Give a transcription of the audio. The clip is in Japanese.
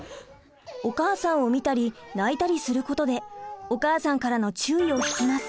お母さんを見たり泣いたりすることでお母さんからの注意を引きます。